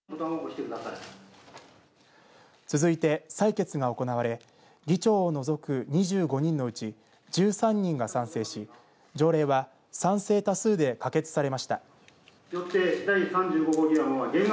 続いて採決が行われ議長を除く２５人のうち１３人が賛成し条例は賛成多数で可決されました。